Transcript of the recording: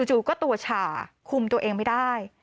จู่ก็ตัวฉ่าคุมตัวเองไม่ได้